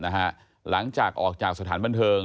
หลังจากออกจากสถานบันเทิง